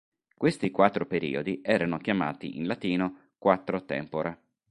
Questi quattro periodi erano chiamati in latino "Quattro tempora".